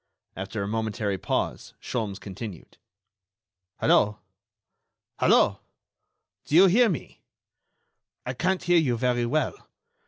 After a momentary pause, Sholmes continued: "Hello!... Hello!... Do you hear me?... I can't hear you very well....